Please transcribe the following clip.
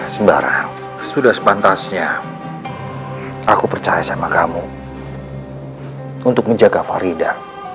sembarang sudah sepantasnya aku percaya sama kamu untuk menjaga farida